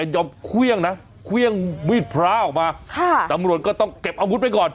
ยอมเครื่องนะเครื่องมีดพระออกมาตำรวจก็ต้องเก็บอาวุธไปก่อน